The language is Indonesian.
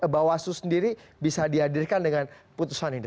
bawaslu sendiri bisa dihadirkan dengan putusan ini